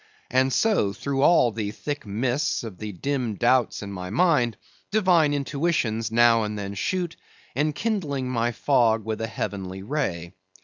And so, through all the thick mists of the dim doubts in my mind, divine intuitions now and then shoot, enkindling my fog with a heavenly ray.